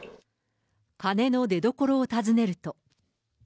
金の出どころを尋ねると。